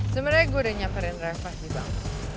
sebenernya gue udah nyamperin reva di bank